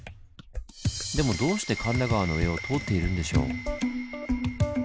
でもどうして神田川の上を通っているんでしょう？